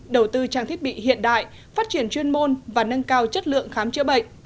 đầu tư trang thiết bị hiện đại phát triển chuyên môn và nâng cao chất lượng khám chữa bệnh